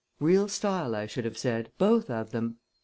Real style, I should have said both of them.